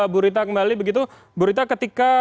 burita kembali burita ketika